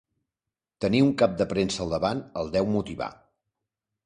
Tenir un cap de premsa al davant el deu motivar.